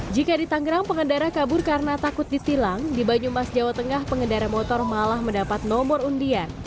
jika di tangerang pengendara kabur karena takut ditilang di banyumas jawa tengah pengendara motor malah mendapat nomor undian